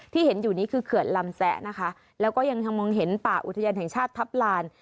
เห็นอยู่นี้คือเขื่อนลำแซะนะคะแล้วก็ยังมองเห็นป่าอุทยานแห่งชาติทัพลาน